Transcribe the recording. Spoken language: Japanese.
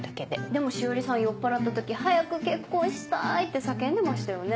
でも志織さん酔っ払った時「早く結婚したい」って叫んでましたよね？